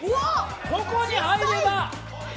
ここに入れば。